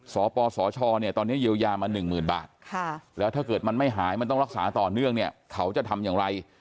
สปสชเนี่ยตอนนี้เยียวยามา๑๐๐๐บาทแล้วถ้าเกิดมันไม่หายมันต้องรักษาต่อเนื่องเนี่ยเขาจะทำอย่างไร